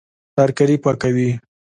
ترکاري پاکوي